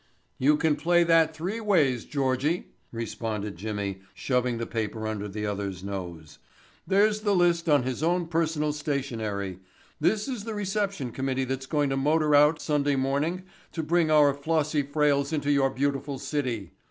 "You can play that three ways, Georgie," responded Jimmy, shoving the paper under the other's nose. "There's the list on his own personal stationery. This is the reception committee that's going to motor out Sunday morning to bring our flossy frails into your beautiful city.